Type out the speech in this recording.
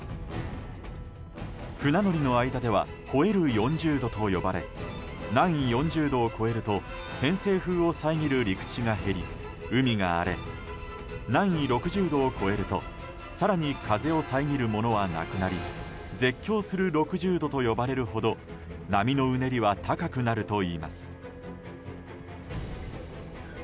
船乗りの間ではほえる４０度と呼ばれ南緯４０度を超えると偏西風を遮る陸地が減り海が荒れ、南緯６０度を超えると更に、風を遮るものはなくなり絶叫する６０度と呼ばれるほど波のうねりは高くなるといいます。